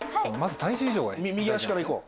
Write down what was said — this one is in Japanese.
右足からいこう。